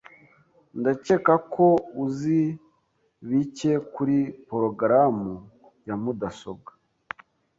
Ndakeka ko uzi bike kuri progaramu ya mudasobwa .